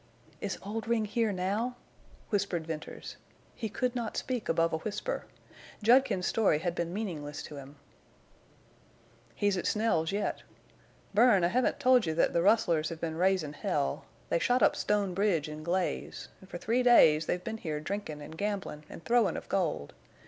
"Is Oldring here now?" whispered Venters. He could not speak above a whisper. Judkins's story had been meaningless to him. "He's at Snell's yet. Bern, I hevn't told you yet thet the rustlers hev been raisin' hell. They shot up Stone Bridge an' Glaze, an' fer three days they've been here drinkin' an' gamblin' an' throwin' of gold.